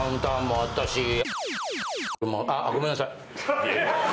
あごめんなさい。